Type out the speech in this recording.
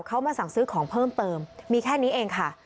เขามาสั่งซื้อของเพิ่มเติมมีแค่นี้เองค่ะ